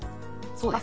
そうです。